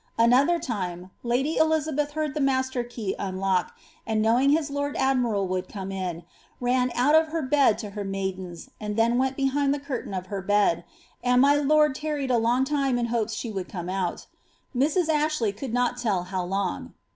Another time, lady Elizabeth heard the master key uiiluck ; and knowing my lord admiral would come in, ran out of lier bed to her nmidens, and then went behind the curtain of her bed, and my lord tarried a long time in hopes she would come ouL Mrs. Ai^hley could not tell how long.